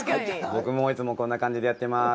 僕もいつもこんな感じでやってます。